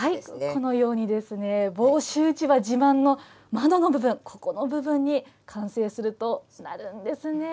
このようにですね、房州うちわ自慢の窓の部分、ここの部分に完成するとしなるんですね。